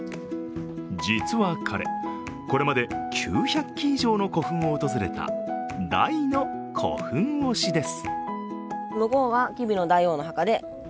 実は彼、これまで９００基以上の古墳を訪れた、大の古墳推しです。